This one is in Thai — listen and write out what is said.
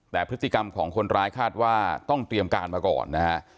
แต่พฤติกรรมของคนร้ายคาดว่าต้องเตรียมการมาก่อนนะฮะ